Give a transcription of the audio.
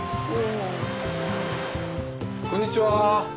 こんにちは。